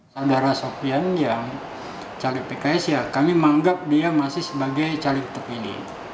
saudara sofian yang caleg pks ya kami menganggap dia masih sebagai caleg terpilih